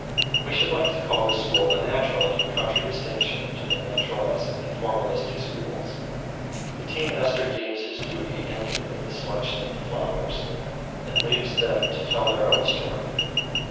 We should like to call this school the Natural in contradistinction to the Naturalesque and Formalistic schools. The tea master deems his duty ended with the selection of the flowers, and leaves them to tell their own story.